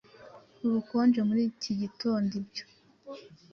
Ubukonje muri iki gitondoibyo